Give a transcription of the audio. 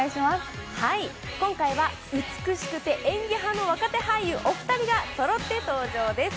今回は美しくて演技派の若手俳優お二人がそろって登場です。